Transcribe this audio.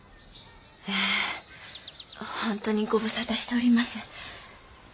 ええ本当にご無沙汰しております。